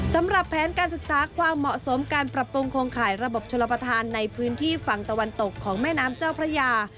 สำหรับแผนการศึกษาความเหมาะสมการปรับปรุงโครงข่ายระบบชลประธานในพื้นที่ฝั่งตะวันตกของแม่น้ำเจ้าพระยา